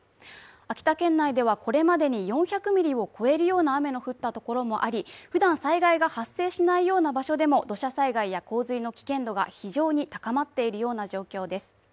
秋田県内ではこれまでに４００ミリを超えるような雨が降ったところがありふだん災害が発生しないような場所でも土砂災害や洪水の危険度が非常に高まっているような状況です。